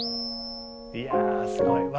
いやすごい。